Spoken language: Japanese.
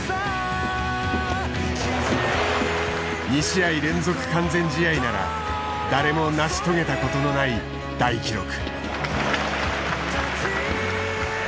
２試合連続完全試合なら誰も成し遂げたことのない大記録。